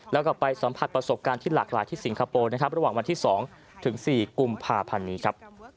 แล้วก็ไปสัมผัสประสบการณ์ที่หลากหลายที่สิงคโปร์นะครับระหว่างวันที่๒ถึง๔กุมภาพันธ์นี้ครับ